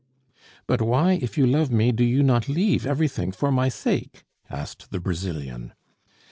"But why, if you love me, do you not leave everything for my sake?" asked the Brazilian.